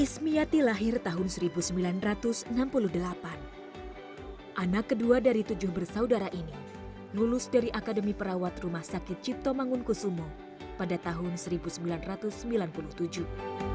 setiap hari antara pukul sembilan pagi hingga satu siang